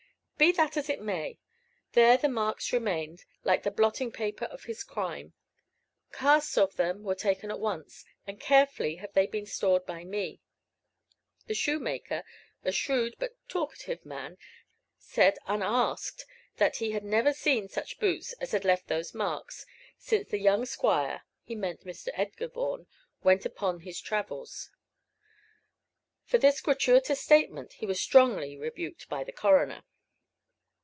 Be that as it may, there the marks remained, like the blotting paper of his crime. Casts of them were taken at once, and carefully have they been stored by me. The shoemaker, a shrewd but talkative man, said unasked that he had never seen such boots as had left those marks, since the "Young Squire" (he meant Mr. Edgar Vaughan) went upon his travels. For this gratuitous statement, he was strongly rebuked by the coroner.